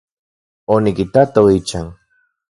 Onikitato ichan.